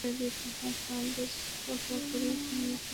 Pilot হুট করে ঘুমিয়ে পড়লে অনেক মানুষের ঘুম হারাম হয়ে যায়।